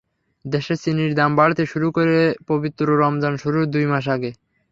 দেশে চিনির দাম বাড়তে শুরু করে পবিত্র রমজান শুরুর দুই মাস আগে।